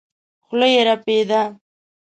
خوله يې رپېده.